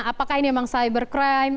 apakah ini memang cybercrime